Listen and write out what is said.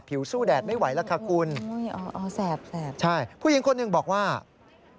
ผิวสู้แดดไม่ไหวล่ะค่ะคุณใช่ผู้หญิงคนหนึ่งบอกว่าอ๋อแสบแสบ